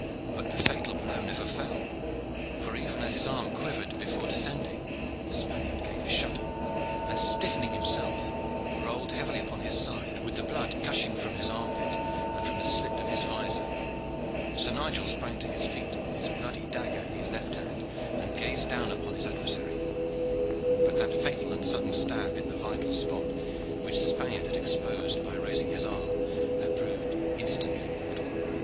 But the fatal blow never fell, for even as his arm quivered before descending, the Spaniard gave a shudder, and stiffening himself rolled heavily over upon his side, with the blood gushing from his armpit and from the slit of his vizor. Sir Nigel sprang to his feet with his bloody dagger in his left hand and gazed down upon his adversary, but that fatal and sudden stab in the vital spot, which the Spaniard had exposed by raising his arm, had proved instantly mortal.